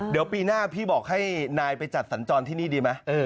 เดี๋ยวปีหน้าพี่บอกให้นายไปจัดสัญจรที่นี่ดีไหม